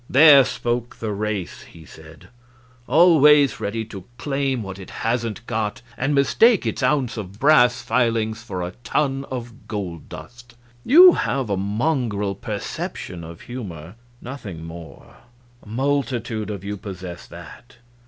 "There spoke the race!" he said; "always ready to claim what it hasn't got, and mistake its ounce of brass filings for a ton of gold dust. You have a mongrel perception of humor, nothing more; a multitude of you possess that.